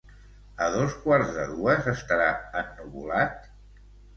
A dos quarts de dues estarà ennuvolat?